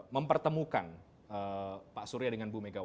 mempertemukan pak surya dengan mbak mega